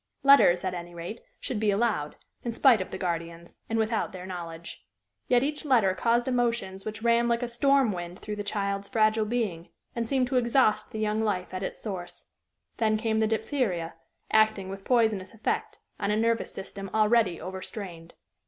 Letters, at any rate, should be allowed, in spite of the guardians, and without their knowledge. Yet each letter caused emotions which ran like a storm wind through the child's fragile being, and seemed to exhaust the young life at its source. Then came the diphtheria, acting with poisonous effect on a nervous system already overstrained.